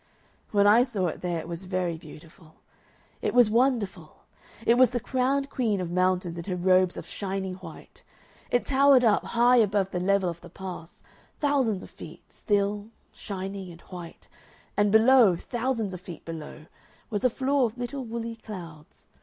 "When I saw it there it was very beautiful. It was wonderful. It was the crowned queen of mountains in her robes of shining white. It towered up high above the level of the pass, thousands of feet, still, shining, and white, and below, thousands of feet below, was a floor of little woolly clouds.